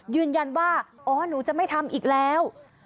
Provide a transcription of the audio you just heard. ยืนยันว่าอ๋อหนูจะไม่ทำอีกแล้ว